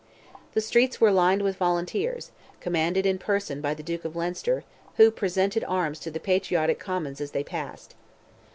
The streets were lined with volunteers, commanded in person by the Duke of Leinster, who presented arms to the patriotic Commons as they passed.